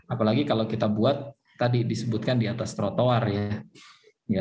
apalagi kalau kita buat tadi disebutkan di atas trotoar ya